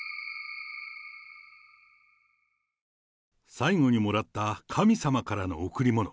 最後にもらった神様からの贈り物。